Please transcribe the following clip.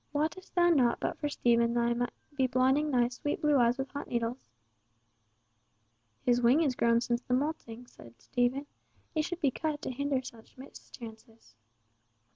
Wottest thou not but for Stephen they might be blinding thy sweet blue eyes with hot needles?" "His wing is grown since the moulting," said Stephen. "It should be cut to hinder such mischances."